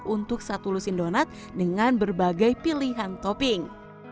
untuk satu lusin donat dengan berbagai pilihan topping